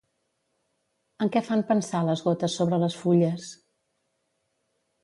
En què fan pensar les gotes sobre les fulles?